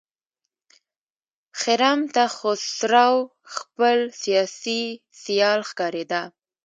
خرم ته خسرو خپل سیاسي سیال ښکارېده.